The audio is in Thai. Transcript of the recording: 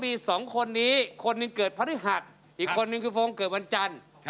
เนื่องขึ้นเกิดภรรยหัสอีกคนนึงคือฟงก์เกิดวันจันทร์